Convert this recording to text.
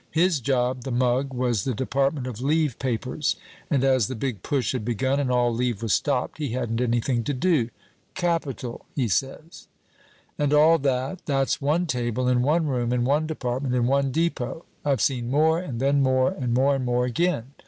His job, the mug, was the department of leave papers, and as the big push had begun and all leave was stopped, he hadn't anything to do 'Capital!' he says. "And all that, that's one table in one room in one department in one depot. I've seen more, and then more, and more and more again.